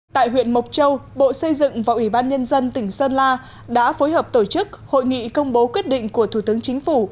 tại huyện mộc châu bộ xây dựng và ủy ban nhân dân tỉnh sơn la đã phối hợp tổ chức hội nghị công bố quyết định của thủ tướng chính phủ